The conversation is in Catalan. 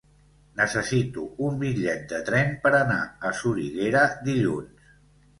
Necessito un bitllet de tren per anar a Soriguera dilluns.